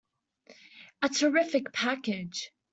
A terrific package!